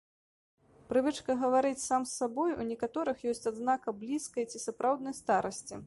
Прывычка гаварыць сам з сабой у некаторых ёсць адзнака блізкай ці сапраўднай старасці.